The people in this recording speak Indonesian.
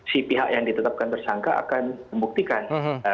si pihak yang ditetapkan tersangka akan membuktikan